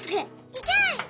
いけ！